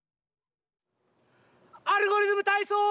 「アルゴリズムたいそう」！